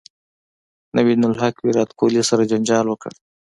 نوین الحق ویرات کوهلي سره جنجال وکړ